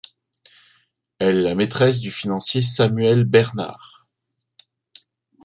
Elle est la maîtresse du financier Samuel Bernard.